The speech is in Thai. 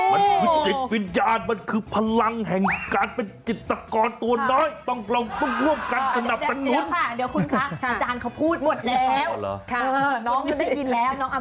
มันคือจิตวิญญาณมันคือพลังแห่งการเป็นจิตกรตัวน้อยต้องเราพึ่งร่วมกันขณะประนุน